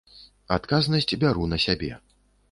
Адказнасць бяру на сябе.